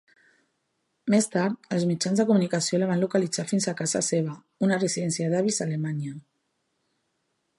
Més tard, els mitjans de comunicació la van localitzar fins a casa seva, una residència d'avis a Alemanya.